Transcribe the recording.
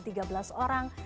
menjadi tiga belas orang